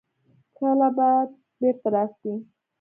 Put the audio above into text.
کله به بېرته راسي.